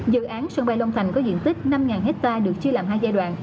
dự án sân bay long thành có diện tích năm hectare được chia làm hai giai đoạn